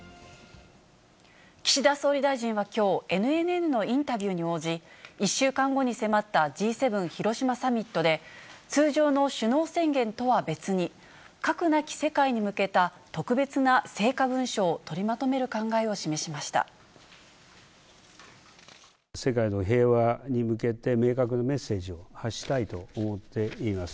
岸田総理大臣はきょう、ＮＮＮのインタビューに応じ、１週間後に迫ったＧ７広島サミットで、通常の首脳宣言とは別に、核なき世界に向けた特別な成果文書を取りまとめる考えを示しまし世界の平和に向けて、明確なメッセージを発したいと思っています。